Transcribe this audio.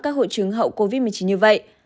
các hội chứng hậu covid một mươi chín như vậy